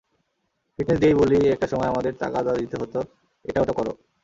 Fitness নিয়েই বলি, একটা সময় আমাদের তাগাদা দিতে হতো এটা-ওটা করো।